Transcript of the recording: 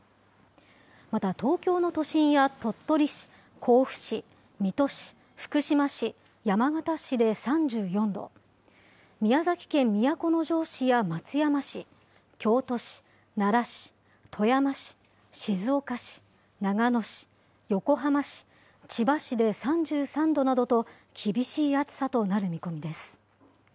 また東京の都心や鳥取市、甲府市、水戸市、福島市、山形市で３４度、宮崎県都城市や松山市、京都市、奈良市、富山市、静岡市、長野市、横浜市、千葉市で３３度などと、厳しい暑さとなる見込みです。